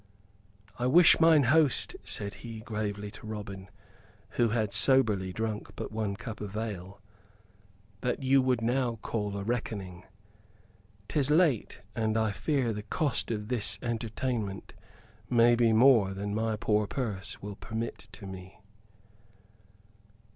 "I wish, mine host," said he, gravely, to Robin, who had soberly drunk but one cup of ale, "that you would now call a reckoning. 'Tis late, and I fear the cost of this entertainment may be more than my poor purse will permit to me."